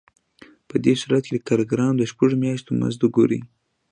په دې صورت کې د کارګرانو د شپږو میاشتو مزد وګورئ